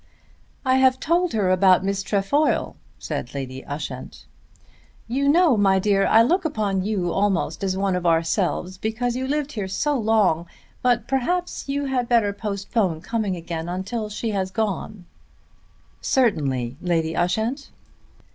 "I have told her about Miss Trefoil," said Lady Ushant. "You know, my dear, I look upon you almost as one of ourselves because you lived here so long. But perhaps you had better postpone coming again till she has gone." "Certainly, Lady Ushant."